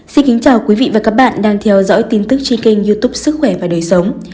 xin kính chào quý vị và các bạn đang theo dõi tin tức trên kênh youtub sức khỏe và đời sống